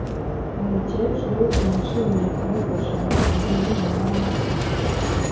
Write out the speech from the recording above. Umukecuru yanshimiye kumufasha hakurya y'umuhanda.